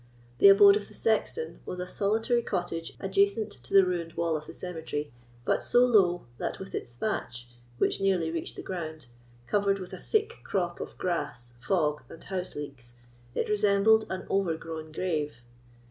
The abode of the sexton was a solitary cottage adjacent to the ruined wall of the cemetery, but so low that, with its thatch, which nearly reached the ground, covered with a thick crop of grass, fog, and house leeks, it resembled an overgrown grave.